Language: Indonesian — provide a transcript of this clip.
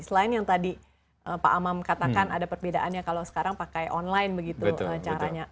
selain yang tadi pak amam katakan ada perbedaannya kalau sekarang pakai online begitu caranya